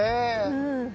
うん。